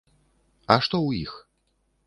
А што ў іх?